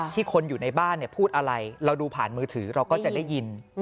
คนอยู่ในบ้านพูดอะไรเราดูผ่านมือถือเราก็จะได้ยิน